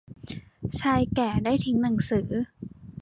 ชายแก่ได้ทิ้งหนังสือ